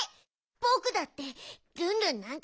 ぼくだってルンルンなんかしらない！